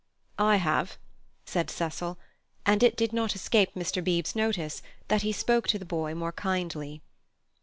"I have," said Cecil, and it did not escape Mr. Beebe's notice that he spoke to the boy more kindly.